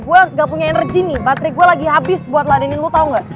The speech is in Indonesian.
gue gak punya energi nih patrick gue lagi habis buat ladenin lu tau gak